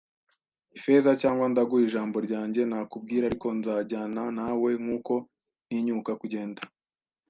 Ifeza, cyangwa, ndaguha ijambo ryanjye, nakubwira. Ariko nzajyana nawe nkuko ntinyuka kugenda,